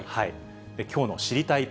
きょうの知りたいッ！